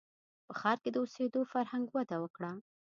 • په ښار کې د اوسېدو فرهنګ وده وکړه.